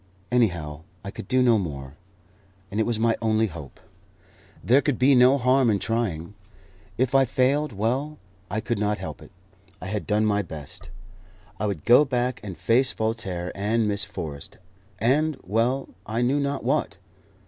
Anyhow, I could do no more, and it was my only hope. There could be no harm in trying. If I failed, well, I could not help it; I had done my best. I would go back and face Voltaire and Miss Forrest, and well I knew not what